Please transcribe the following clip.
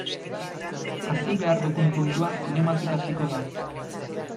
Hasi behar dugun puntua zinematik hasiko da.